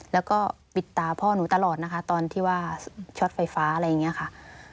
แล้วก็ปิดตาพ่อหนูตลอดนะคะตอนที่ว่าช็อตไฟฟ้าอะไรอย่างนี้ค่ะ